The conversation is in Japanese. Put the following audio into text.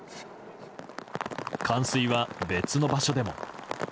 冠水は別の場所でも。